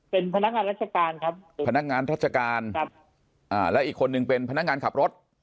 เป็นพนักงานราชการครับพนักงานราชการครับอ่าแล้วอีกคนนึงเป็นพนักงานขับรถ